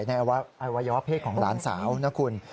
อวัยวะเพศของหลานสาวนะคุณ